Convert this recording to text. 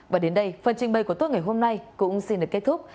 và đến đây phần trình bày của tốt ngày hôm nay cũng xin được kết thúc